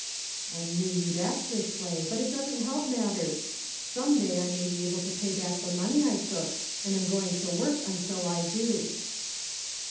"I knew you'd act this way, but it doesn't help matters. Some day I may be able to pay back the money I took, and I'm going to work until I do."